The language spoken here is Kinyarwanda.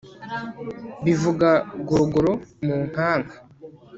Bivuga gorogoro mu nkanka